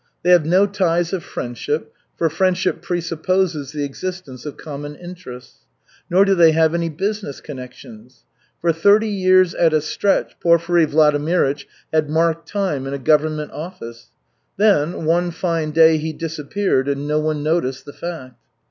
They have no ties of friendship, for friendship presupposes the existence of common interests; nor do they have any business connections. For thirty years at a stretch Porfiry Vladimirych had marked time in a government office. Then, one fine day he disappeared, and no one noticed the fact.